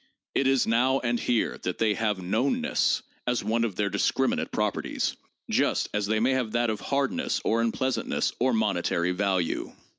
It is now and here that they have 'known ness' as one of their discriminated properties— just as they may have that of hardness or unpleasantness or monetary value.